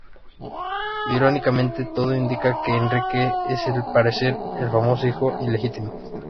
Irónicamente, todo indica que Enrique es, al parecer, el famoso hijo ilegítimo.